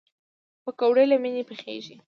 پکورې له مینې پخېږي